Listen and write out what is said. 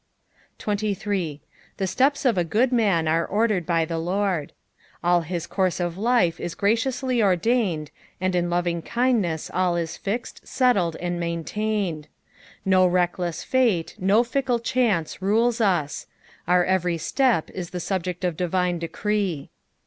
33. " The ttept of a good man are ordered by the Lord," All his course of life is graciously ordained, and in lovingkindneas (Al is fixed, settled, and maintained. No reckless fate, no fickle chance rules us ; our every step is the subject of divine decree.